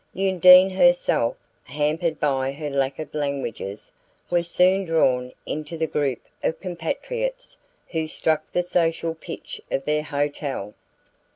Undine herself, hampered by her lack of languages, was soon drawn into the group of compatriots who struck the social pitch of their hotel.